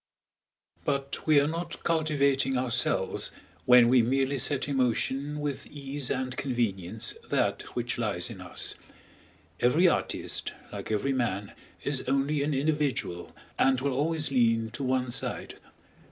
But we are not cultivating ourselves when we merely set in motion with ease and convenience that which lies in us. Every artist, like every man, is only an individual, and will always lean to one side.